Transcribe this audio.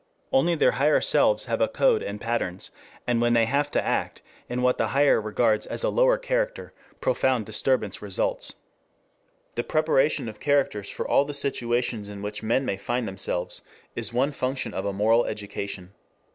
Only their higher selves have a code and patterns, and when they have to act in what the higher regards as a lower character profound disturbance results. The preparation of characters for all the situations in which men may find themselves is one function of a moral education.